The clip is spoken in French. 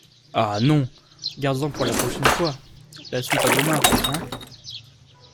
Ah ! non, gardes-en pour la prochaine fois ; la suite à demain, hein ?